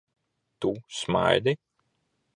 Tu smaidi?